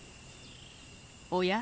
おや？